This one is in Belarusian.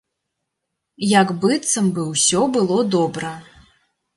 Як быццам бы ўсё было добра.